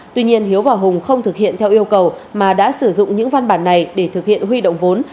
tuy nhiên hiếu và hùng không thực hiện theo yêu cầu mà đã sử dụng những văn bản này để thực hiện huy động vốn